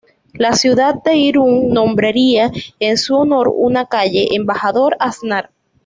La ciudad de Irún nombraría en su honor una calle, Embajador Aznar.